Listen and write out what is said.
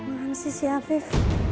mana sih si afif